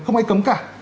không ai cấm cả